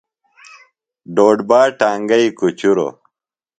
ڈوڈبا ٹانگئی کُچُروۡ۔